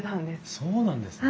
そうなんですね。